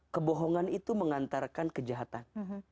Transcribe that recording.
kebohongan itu mengantarkan kejahatan